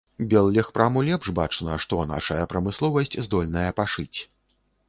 Беллегпраму лепш бачна, што нашая прамысловасць здольная пашыць.